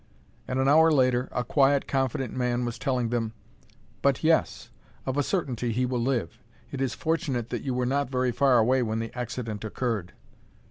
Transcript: And an hour later, a quiet, confident man was telling them: "But yes! of a certainty he will live. It is fortunate that you were not very far away when the accident occurred."